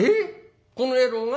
この野郎が？